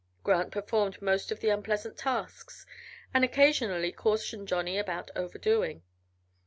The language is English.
Grant performed most of the unpleasant tasks, and occasionally cautioned Johnny about overdoing.